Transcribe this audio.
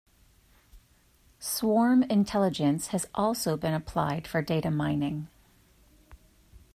Swarm intelligence has also been applied for data mining.